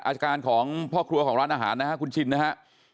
อาจารย์ของพ่อครัวของร้านอาหารนะครับคุณชินนะฮะ